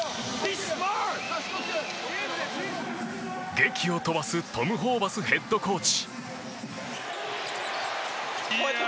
げきを飛ばすトム・ホーバスヘッドコーチ。